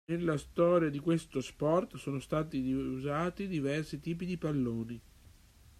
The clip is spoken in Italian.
Nella storia di questo sport sono stati usati diversi tipi di palloni.